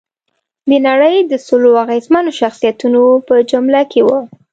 د نړۍ د سلو اغېزمنو شخصیتونو په جمله کې وه.